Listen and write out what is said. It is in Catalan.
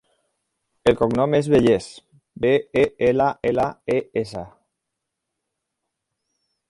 El cognom és Belles: be, e, ela, ela, e, essa.